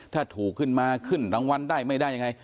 ถ้าถูกขึ้นมาขึ้นรางวัลได้ไม่ได้ยังไง